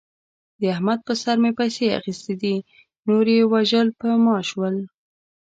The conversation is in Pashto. د احمد په سر مې پیسې اخستې دي. نور یې وژل په ما شول.